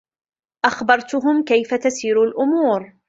أخبرتهم كيف تسير الأمور.